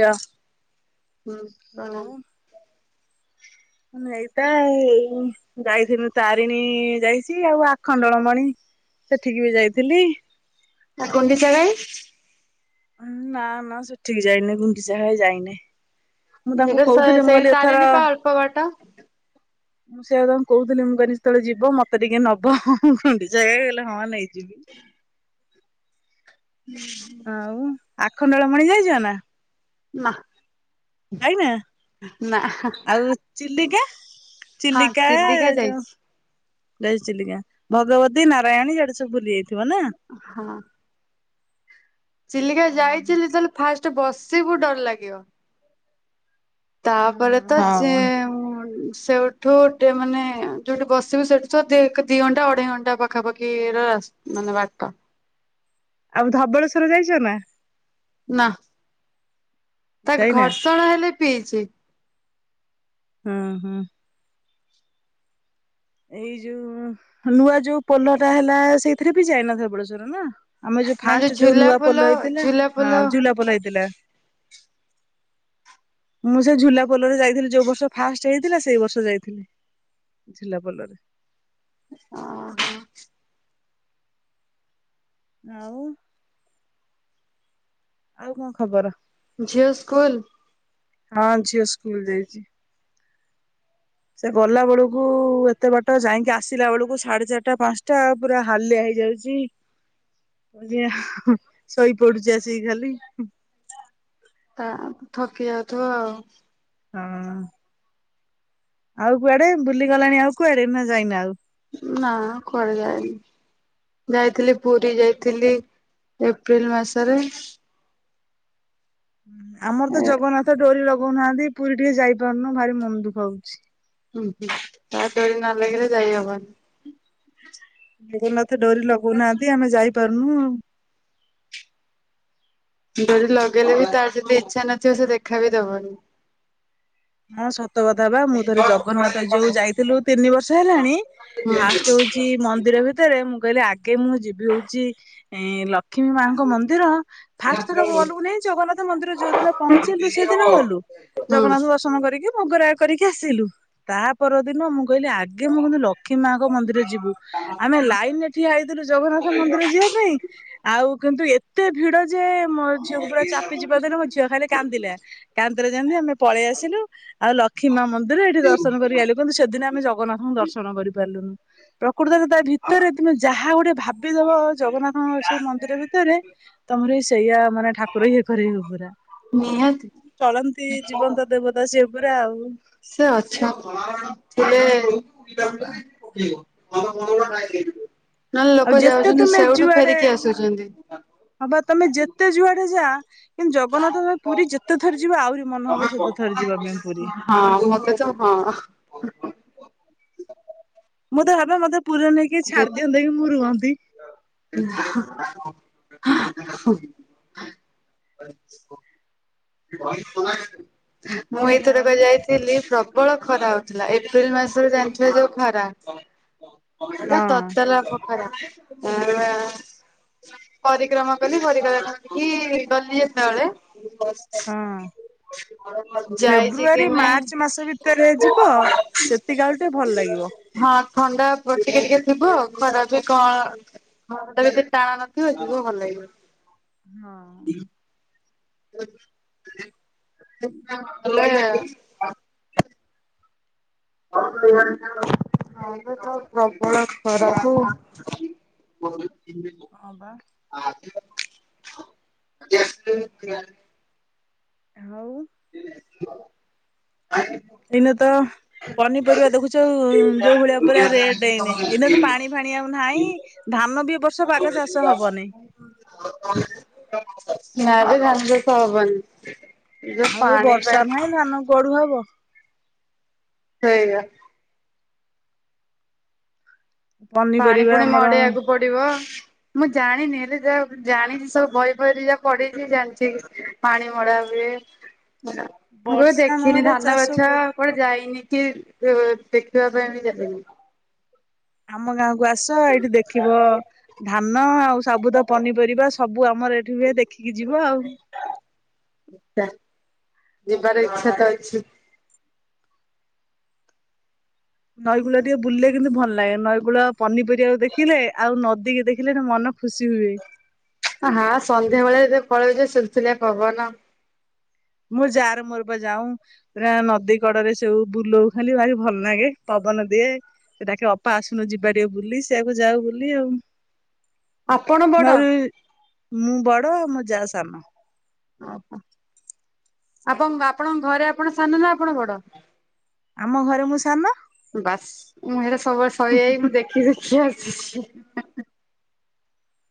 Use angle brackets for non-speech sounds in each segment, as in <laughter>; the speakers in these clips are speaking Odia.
ୟା। ହୁଁ ପ୍ରଣାମ। ଏଇତା ଏଇ ଯାଇଥିନୁ ତାରିଣୀ ଯାଇଛି ଆଉ ଆଖଣ୍ଡଳମଣି ସେଠିକି ବି ଯାଇଥିଲି। ଆ ଗୁଣ୍ଡିଚା ଘାଇ। ଉଁ ନା ନା ସେଠିକି ଯାଇନି ଗୁଣ୍ଡିଚା ଘାଇ ଯାଇନି। ମୁଁ ତାଙ୍କୁ ସେଟା କହୁଥିଲି ମୁଁ ସେଇଠି କହିଲି ଏଥର ତାରିଣୀ ପା ଅଳ୍ପ ବାଟ। ସେୟା ତାଙ୍କୁ କହୁଥିଲି ମୁଁ କହିନି ଯେତଳେ ଯିବ ମତେ ଟିକେ ନବ <unintelligible> ଖୁଣ୍ଡିଚା ଘାଇ କହିଲେ ହଁ ନେଇଯିବି। <inaudible> ଆଉ ଆଖଣ୍ଡଳମଣି ଯାଇଛ ନା? ନା। ଯାଇନା, ନା ଆଉ ଚିଲ୍ଲିକା? ହଁ ଚିଲ୍ଲିକା ଆ ଚିଲିକା ଯୋଉ ଯାଇଛି ଯାଇଚି ଚିଲ୍ଲିକା ଭଗବତୀ ନାରାୟଣୀ ଇଆଡେ ସବୁ ବୁଲି ଯାଇଥିବ ନା। ହଁ। ଚିଲିକା ଯାଇଥିଲି ଯେତେଲେ ଫାଷ୍ଟ ବସିବୁ ଡର ଲାଗିବ। ତାପରେ ତ ହଁ ଚେଉଁ ସେଉ ଠୁ ଟେ ମାନେ ଯୋଉଠି ବସିବୁ ସେଠି ତ ଦ ଦି ଘଣ୍ଟା ଅଢେଇ ଘଣ୍ଟା ପାଖାପାଖି ର ରାସ୍ ମାନେ ବାଟ। ଆଉ ଧବଳେଶ୍ଵର ଯାଇଚ ନା? ନା ତା ଯାଇନା? ଘର୍ଷଣା ହେଲେ ପିଇଚି। ହୁଁ ହୁଁ। ଏଇ ଯୋଉ ନୂଆ ଯୋଉ ପୋଲଟା ହେଲା ସେଇଥିରେ ବି ଯାଇ ନା ଧବଳେଶ୍ୱରରେ ନା। ଆମେ ଯୋଉ ନା ଫାଷ୍ଟ ଯୋଉ ଝୁଲା ନୂଆ ପୋଲ ହେଇଥିଲା ଝୁଲା ପୋଲ ହଁ ଝୁଲା ପୋଲ ହେଇଥିଲା। ମୁଁ ସେ ଝୁଲା ପୋଲରେ ଯାଇଥିଲି ଯୋଉ ବର୍ଷ ଫାଷ୍ଟ ହେଇଥିଲା ସେଇ ବର୍ଷ ଯାଇଥିଲି। ଝୁଲା ପୋଲରେ। ଅ ହଁ। ଆଉ। ଆଉ କଣ ଖବର। ଝିଅ ସ୍କୁଲ ହଁ ଝିଅ ସ୍କୁଲ ଯାଇଚି। ସେ ଗଲା ବେଳକୁ ଏତେ ବାଟ ଯାଇଁକି ଆସିଲା ବେଳକୁ ସାଢେ ଚାରିଟା ପାଞ୍ଚଟା ପୁରା ହାଲିଆ ହେଇଯାଉଚି। ଝିଅ ଶୋଇ ପଡୁଚି ଆସିକି ଖାଲି। ତା ଥକି ଯାଉଥିବ ଆଉ। ହଁ ଆଉ କୁଆଡେ ବୁଲିଗଲଣି ଆଉ କୁଆଡେ ନା ଯାଇନ ଆଉ। ନା କୁଆଡ଼େ ଯାଇନି। ଯାଇଥିଲି ପୁରୀ ଯାଇଥିଲି ଏପ୍ରିଲ ମାସରେ। ହୁ ଆମର ତ ଏ ଜଗନ୍ନାଥ ଡୋରି ଲଗଉନାହାନ୍ତି ପୁରୀ ଟିକେ ଯାଇପାରୁନୁ ଭାରି ମନ ଦୁଃଖ ହଉଚି। ହୁଁ ହୁଁ ତା ଡୋରି ନ ଲାଗିଲେ ଯାଇ ହବନି। ଜଗନ୍ନାଥ ଡୋରି ଲଗଉନାହାନ୍ତି ଆମେ ଯାଇପାରୁନୁ ଆଉ। ଡୋରି ଲଗେଇଲେ ବି ତାର ଯଦି ଇଚ୍ଛା ନଥିବ ସେ ଦେଖା ବି ଦବନି। ହଁ ସତ କଥା ବା ମୁଁ ଥରେ ହୁଁ ଜଗନ୍ନାଥ ଯୋଉ ଯାଇଥିଲୁ ତିନି ବର୍ଷ ହେଲାଣି। ଫାଷ୍ଟ ହଉଛି ମନ୍ଦିର ଭିତରେ ମୁଁ କହିଲି ଆଗେ ମୁଁ ଯିବି ହଉଛି ଏ ଲ କ୍ଷ୍ମୀ ମାଙ୍କ ମନ୍ଦିର। ଫାଷ୍ଟ ଥର ଗଲୁ କି ନାଇଁ ଜଗନ୍ନାଥ ମନ୍ଦିର ଯୋଉ ଦିନ ପହଞ୍ଚିଲୁ ସେଦିନ ଗଲୁ। ହୁଁ। ର୍ଶନ କରିକି ଭୋଗ ରା କରିକି ଆସିଲୁ ତା ପରଦିନ ମୁଁ କହିଲି ଆ ଗେ ମୁଁ କିନ୍ତୁ ଲକ୍ଷ୍ମୀ ମାଙ୍କ ମନ୍ଦିର ଯିବୁ ଆମେ ଲାଇନରେ ଠି ଠିଆ ହେଇଥିଲୁ ଜଗନ୍ନାଥ ମନ୍ଦିର ଯିବା ପାଇଁ ଆଉ କିନ୍ତୁ ଏତେ ଭିଡ ଯେ ମୋ ଝିଅକୁ ପୁର ଚାପି ଚୁପା ଦେଲେ ମୋ ଝିଅ ଖାଲି କାନ୍ଦିଲା କାନ୍ଦିଲା ଯେମିତି ଆମେ ପଳେଇ ଆସି ଲୁ ଆଉ ଲକ୍ଷ୍ମୀ ମା ମନ୍ଦିର ଏଠି ଦର୍ଶନ କରି ଆଇଲୁ କିନ୍ତୁ ସେଦିନ ଆମେ ଜଗନ୍ନାଥଙ୍କୁ ଦର୍ ର୍ଶନ କରିପାରିଲୁନୁ ପ୍ରକୃତରେ ତା ଭିତରେ ତୁମେ ଯାହା ଗୋଟେ ଭାବ ବି ଦବ ଜଗନ୍ନାଥଙ୍କ ସେ ମନ୍ଦିର ଭିତରେ ତମର ହିଁ ସେଇଆ ମାନେ ଠାକୁର ଇଏ କରେଇବେ ପୁରା ନିହାତି ଚଳନ୍ତି ଜୀବନ୍ତ ଦେବତା ସିଏ ପୁରା ଆଉ। ସେ ଅଛ <unintelligible> ନହେଲେ ଆଉ ଲୋକ ଯେତେ ଯାଉଚନ୍ତି ତୁମେ ସେଇଠୁ ଫେରିକି ଆସୁଚନ୍ତି। ହଁ ବା ତମେ ଯେତେ ଯୁଆଡେ ଯା କିନ୍ତୁ ଜଗନ୍ନାଥ ଅ ପୁରୀ ଯେତେ ଥର ଯିବ ଆହୁରି ମନେ ହବ ସେତେ ଥର ଯିବା ପାଇଁ ପୁରୀ। ହଁ ମୋତେ ତ ହଁ। ମୁଁ ତ ଭାବେ ମତେ ପୁରା ନେଇକି ଯେ ଛାଡି ଦିଅନ୍ତି କିି ମୁଁ ରୁହନ୍ତି। ମୁଁ ଆଉ ଏଇଥରକ ଯାଇଥିଲ ଦିଲ୍ଲୀ ପ୍ରବଳ ଖରା ହଉଥିଲା ଏପ୍ରିଲ ମାସରେ ଜାଣିଥିବେ ଯୋଉ ଖରା। ହଁ ନା ତତଲା ପଖ ଆ ଆ ପରିକ୍ରମା କଲି ପରିକାର କରିକି ଗଲି ଯେତେବେଳେ ହଁ। ଆ ଯାଇଛି ଫେବୃଆରୀ କେମେ ମାର୍ଚ୍ଚ ମାସ ଭିତରେ ଯିବ ସେତିକି ଆଳୁ ଟିକେ ଭଲ ଲାଗିବ। ହଁ ଥଣ୍ଡା ବଟିକା ଟିକେ ଥିବ ଖରାପ କ ଭ ତେ କେତେ ଟାଣ ନଥିବ ଯିବ ଭଲ ଲାଗିବ। ହଁ। ହଲ ହଁ ପା ତ ପ୍ରବଳ ଖରାକୁ ହ। ହଁ ବା। ଆଜି ଆସିଥିବେ ହଉ। ଆ। ଦିନେ ତ ପନିପରିବା ଦେଖୁଛ ଉଁ ଯୋଉ ଭଳିଆ ପୁରା ରେଟ୍ ଏଇନେ ଏଇନେ ତ ପାଣି ଫାଣି ଆଉ ନାହିଁ ଧାନ ବି ଏ ବର୍ଷ ବାଗ ଚାଷ ହବନିଁ। ନାରେ ଧାନ ଚାଷ ହବନି। ଯୋଉ ଆଉ ଏ ପାଣି ବର୍ଷା ପାଇଁ ନାହିଁ ଧାନ କୁଆଡୁ ହବ? ସେଇଆ। ପାଣି ପନିପରିବା ପୁଣି ଆମର ମଡେଇବାକୁ ପଡିବ। ମୁଁ ଜାଣିନି ହେଲେ ଯାହା ଜାଣିଛି ସବୁ ବହି ବହିରେ ଯାହା ପଢେଇଛି ଜାଣିଛି ପାଣି ମଡା ହୁଏ। ହେଲା ମୁଁ କେବେ ବର୍ଷା ଦେଖିନି ନହେଲେ ଧାନ ଚାଷ ବାଛିବା କୁଆଡୁ ହବ। କୁଆଡେ ଯାଇନି କି ସେ ଦେଖିବା ପାଇଁ ବି ଯାଇନି। ଆମ ଗାଁକୁ ଆସ ଏଇଠି ଦେଖିବ ଧାନ ଆଉ ସବୁ ତ ପନିପରିବା ସବୁ ଆମର ଏଠି ହୁଏ ଦେଖିକି ଯିବ ଆଉ। ଯା ଯିବାର ଇଚ୍ଛା ତ ଅଛି ନଈକୂଳରେ ଟିକେ ବୁଲିଲେ କିନ୍ତୁ ଭଲ ଲାଗେ ନଈକୂଳ ପନିପରିବାକୁ ଦେଖିଲେ ଆଉ ନଦୀ କିି ଦେଖିଲେ ମନ ଖୁସି ହୁଏ। ଆ ହା ସନ୍ଧ୍ୟା ବେଳେ ଯଦି ପଳେଇବ ସୁଲୁସୁଲିଆ ପବନ ମୁଁ ଯାାର ମୋର ବା ଯାଉ। ପୁରା ନଦୀ କଡରେ ସବୁ ବୁଲଉ ଖାଲି ତା ଭଲ ଲାଗେ ପବନ ଦିଏ। ସେ ଡାକେ ଅପା ଆସୁନୁ ଯିବା ଟିକେ ବୁଲି ସେଆକୁ ଯାଉ ବୁଲି ଆଉ। <unintelligible> ବଡ ହେ ମୁଁ ବଡ ଆଉ ମୋ ଯା ସାନ। ଓହ ଆପଣ ଆପଣଙ୍କ ଘରେ ଆପଣ ସାନ ନା ଆପଣ ବଡ? ଆମ ଘରେ ମୁଁ ସାନ। ବାସ୍। ମୁଁ ଏଇଟା ସବୁବେଳେ ସହିଯାଇ ମୁଁ ଦେଖି ଦେଖି ଆସିଛି଼।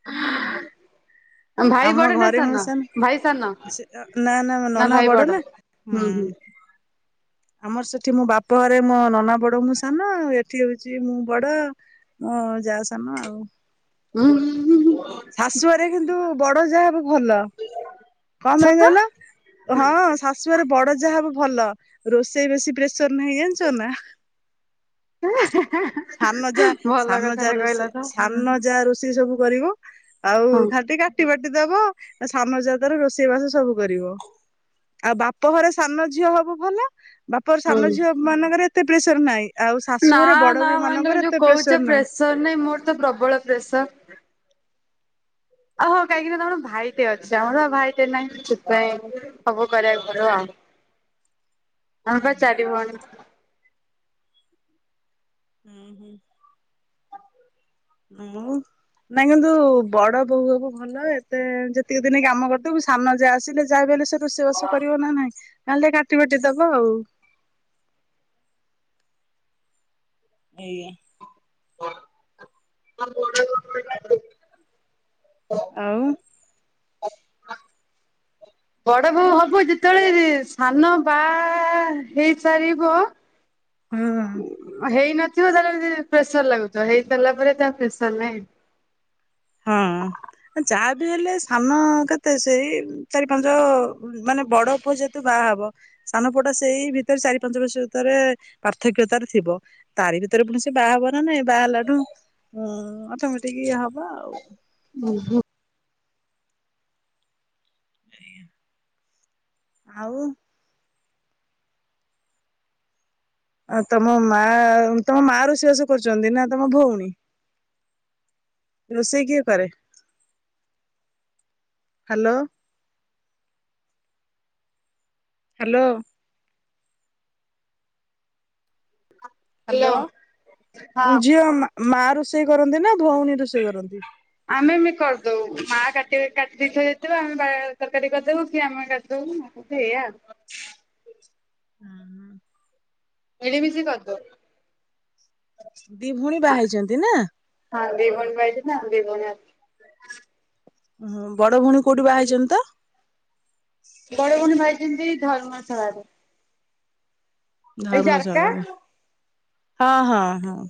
ଆ ଭାଇ ଆମ ବଡ ନା ଘରେ ମୁଁ ସାନ ଭାଇ ସାନ ନା ଭାଇ ବଡ? ହୁଁ ହୁଁ। ଆମର ସେଠି ମୋ ବାପଘରେ ମୋ ନନା ବଡ ମୁଁ ସାନ ଏଠି ହଉଛି ମୁଁ ବଡ ହଁ ଯା ସାନ ଆଉ। ହୁଁ। ହୁଁ ହୁଁ ଶାଶୁଘରେ କିନ୍ତୁ ବଡ ଯା ହବ ଭଲ। କଣ ପାଇଁ ସତ କହିଲ? ହଁ ଶାଶୁଘରେ ବଡ ଯାହା ହବ ଭଲ ରୋଷେଇ ବେଶି ପେ ସନ ନାହିଁ ଜାଣିଛ ନା? ଏଁ ହାଁ ହାଁ ହାଁ। ସାନଯା ସାନଯା ରୋଷେ ସାନ ଯା ରୋ ସିଏ ସବୁ କରିବ ଆଉ ହଁ ଖାଲି ଟିକେ କାଟି ବାଟି ଦବ ସାନଜାତାର ରୋଷେଇ ବାସ ସବୁ କରିବ। ଆଉ ବାପ ଘରେ ସାନ ଝିଅ ହବୁ ଭଲ। ବାପଘର ସାନ ହୁଁ ଝିଅ ମାନଙ୍କରେ ଏତେ ପ୍ରେସର ନାଇଁ ଆଉ ଶାଶୁ ଘରେ ବଡ ବୋହୁ ହ ତମେ ଯୋଉ କହୁଛ ପ୍ରେସର ନାଇଁ ମୋର ତ ପ୍ରବଳ ପ୍ରେସର। ଓହୋ କାହିଁକି ନା ତମର ଭାଇଟେ ଅଛି ଆମର ପା ଭାଇଟେ ନାହିଁ <inaudible> ସେଥିପାଇଁ। ସବୁ କରିବାକୁ ପଡିବ ଆଉ ହଁ ଆମେପା ଚାରି ଭଉଣୀ। ଉଁ ହୁଁ। ଁ ମୁ। ନାଇଁ କିନ୍ତୁ ବଡ ବୋହୁ ହବୁ ଭଲ ଏତେ ଯେତିକି ଦିନି କାମ କରିଥିବୁ ସାନନା ଯାଆ ଆସିଲେ ଯାହାବି ହେଲେ ସେ ରୋଷେଇ ବାସ କରିବ ନା ନାଇଁ ନହେଲେ କାଟି ବାଟି ଦବ ଆଉ। ଏଇଆ। <inaudible> ଆଉ। ବଡ ବୋହୁ ହବୁ ଯେତେବେଳେ ସାନ ବା ଆ ହେଇସାରିବ ହୁଁ। ହେଇନଥିବ ତାହେଲେ ପ୍ରେସର ଲାଗୁଥିବ ହେଇସାରିଲା ପରେ ତା ପ୍ରେସର ନାହିଁ। <inaudible> ହଁ ଯାହା ବି ହେଲେ ସାନ କେତେ ସେଇ ଚାରି ପାଞ୍ଚ ମାନେ ବଡ ପୁଅ ତ ବାହା ହବ ସାନ ପୁଅଟା ସେଇ ଭିତରେ ଚାରି ପାଞ୍ଚ ବର୍ଷ ଭିତରେ ପାର୍ଥକ୍ୟତାରେ ଥିବ। ତାରି ଭିତରେ ପୁଣି ସେ ବାହା ହବ ନା ନାଇଁ ବାହା ହେଲାଠୁ ଉଁ ଅଟମେଟିକ୍ ହ ବ ଆଉ। ହୁଁ ହୁ। ଆଗିଆଁ। ଆଉ ଆ ତମ ମା ତମ ମା ରୋଷେଇବାସ କରୁଛନ୍ତି ନା ତମ ଭଉଣୀ? ରୋଷେଇ କିଏ କରେ? ହ୍ୟାଲୋ। ହ୍ୟାଲୋ। Hello hello. ହଁ। ଝିଅ ମା ମା ରୁଷେଇ କରନ୍ତି ନା ଭଉଣୀ ରୁଷେଇ କରନ୍ତି? ଆମେ ବି କରିଦଉ। ମା କାଟି କାଟି ଦେଇଥିବ ଯେତେବେଳେ ଆମେ ବାହା ତରକାରୀ କରିଦବୁ କି ଆମେ କାଟିଦବୁ। ସେୟା ଆଉ। ମିଳିମିଶି କରଦଉ। ଦି ଭଉଣୀ ବାହା ହେଇଛନ୍ତି ନା? ହଁ ଦି ଭଉଣୀ ବାହା ହେଇଛନ୍ତି ଆମେ ଦି ଭଉଣୀ ଅଛୁ। ଓହୋ ବଡ ଭଉଣୀ କୋଉଠି ବା ହେଇଛନ୍ତି ତ? ବଡ ଭଉଣୀ ବାହାହେଇଛନ୍ତି ଧର୍ମଶଳାରେ। ଜାରକା ଧର୍ମଶାଳରେ ହଁ ହଁ ହଁ।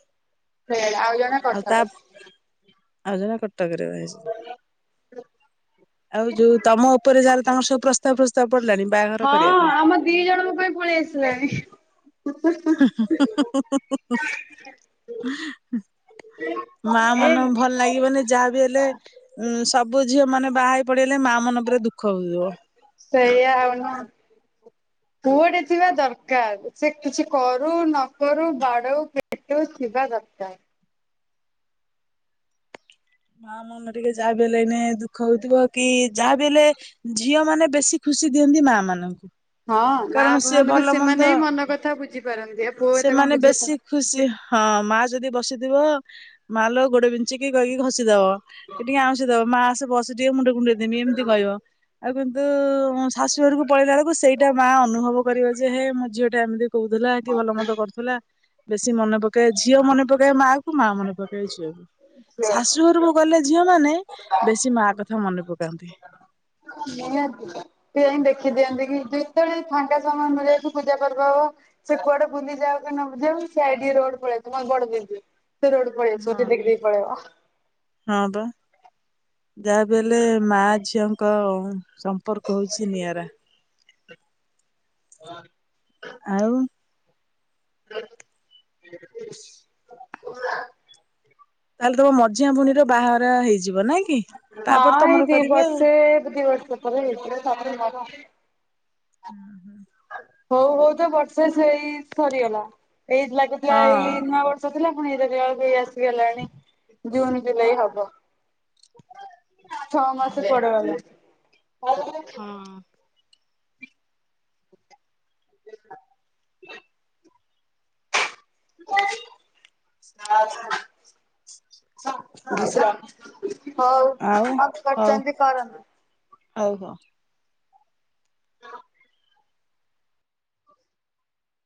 ହେଇଗଲା ଆଉ ଜଣେ ଆଉ ତା କଟକ। ଆଉ ଜଣେ କଟକରେ ବାହାହେଇଚି। <inaudible> ଆଉ ଯୋଉ ତମ ଉପରେ ଯାହାର ତାଙ୍କର ସବୁ ପ୍ରସ୍ତାବ ଫ୍ରସ୍ତାବ ପଡିଲାଣି ବାହାଘର କରିବା ପାଇଁ। ଙ୍କ ପାଇଁ ପଳେଇ ଆସିଲାଣି। <inaudible> ହୁ ହୁ ହୁ ହୁ ହୁ ହୁ ହୁ। ମା ମନ ଭଲ ଲାଗିବନି ଯାହା ବିି ହେଲେ ଉଁ ସବୁ ଝିଅ ମାନେ ବାହା ହେଇ ପଳେଇଲେ ମା ମନ ପୁରା ଦୁଃଖ ହଉଥିବ। ସେଇଆା ଆଉନା। ପୁଅ ଟା ଥିବା ଦରକାର। ସେ କିଛି କରୁ ନ କରୁ ବାଡଉ ପିଟୁ ଥିବା ଦରକାର। ମା ମନ ଟିକେ ଯାହାବି ହେଲେ ଏଇନେ ଦୁଃଖ ହଉଥୁବ କି ଯାହାବି ହେଲେ ଝି ଝିଅ ମାନେ ବେଶୀ ଖୁସି ଦିଅନ୍ତି ମା ମାନଙ୍କୁ। ହଁ ମା କାରଣ ବାପା ସିଏ ମାନଙ୍କୁ ଭଲ ସେମାନେ ମନ୍ଦ ହିଁ ମନ କଥା ବୁଝିପାରନ୍ତି। ଆ, ପୁଅ ଏତେ ସେମାନେ କଣ ବୁଝି ପା ବେଶୀ ଖୁସି ହଁ ମା ଯଦି ବସିଥିବ ମା ଲୋ ଗୋଡ ବିନ୍ଧୁଚୁକି କହିକି ଘଷିଦବ। ସେ ଟିକେ ଆଉଁସି ଦବ ମା ଆସେ ବସି ଟିକେ ମୁଣ୍ଡ କୁଣ୍ଡେଇ ଦେମି ଏମିତି କହିବ। ଆଉ କିନ୍ତୁ ଅଁ, ଶାଶୁ ଘରକୁ ପଳେଇଲା ବେଳକୁ ସେଇଟା ମା ଅନୁଭବ କରିବ। ଯେ ହେ ମୋ ଝିଅ ଟା ଏମିତି କହୁଥିଲା ହେ କି ଭଲ ମନ୍ଦ କରୁ ଥୁଲା। ବେଶୀ ମନେ ପକାଏ ଝିଅ ମନେ ପକାଏ ମା କୁ। ମା ମନେ ପକାଏ ଝିଅ କୁ। ଶାଶୁ ଘରକୁ ଗଲେ ଝିଅ ମାନେ ବେଶୀ ମା କଥା ମନେ ପକାନ୍ତି। ହଁ ନିହାତି। ଟିକେ ଯାଇଁ ଦେଖି ଦିଅନ୍ତି କି ଯେତେବେଳେ ବି ଫାଙ୍କା ସମୟ ମିଳି ଯାଉଛି, ପୂଜାପର୍ବ ହେବ। ସେ କୁଆଡେ ବୁଲିଯାଉ କି ନ ଯାଉ ସେ ଆଡି ରୋଡ୍ ପଳେଇ ଆସୁ। ନନେ ବଡ <inaudible> ସେ ରୋଡ୍ କୁ ପଳେଇ ହଁ ଆସନ୍ତେ ଦେଖି ବା ଦେଇ ପଳେଇବ। ହଁ ବା। ଯାହାବି ହେଲେ ମା ଝିଅଙ୍କ ସମ୍ପର୍କ ହଉଛି ନିଆରା। କହନି ଆଉ। <inaudible> ତାହେଲେ ତୋମ ମଝିଆ ଭଉଣୀର ବାହାଘର ହେଇଯିବ ନାଇଁ କି? ତାପରେ ତୋମର କରିବେ ଆଉ। ଏ ବୁ ଦି ବର୍ଷ। ପରେ ହେଇଯିବ, ତାପରେ ମୋର। ହୁଁ, ହୁଁ। ହଉ ହଉ ତ ବର୍ଷେ ସେଇ ସରିଗଲା। ଏଇ ଲାଗୁଥିଲା ଏଇ ନୂଆ ବର୍ଷ ଷ ଥିଲା ପୁଣି ଏଇରା ବି ଆଉ ବି ଏଇ ଆସିଗଲାଣି ଜୁନ୍ ଜୁଲାଇ ହବ। ଛଅ ମାସ କୁଆଡେ ଗଲା। ହଁ। <inaudible> <inaudible> ହଉ କଣ କରୁଚନ୍ତି ହଉ କରନ୍ତୁ। ଆଉ ହୋ।